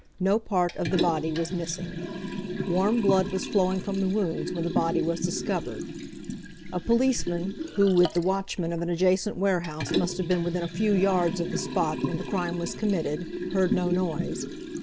No part of the body was missing. Warm blood was flowing from the wounds when the body was discovered. A policeman, who with the watchman of an adjacent warehouse must have been within a few yards of the spot when the crime was committed, heard no noise.